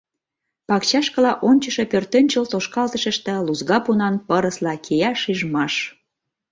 Пакчашкыла ончышо пӧртӧнчыл тошкалтышыште лузга пунан пырысла кия шижмаш.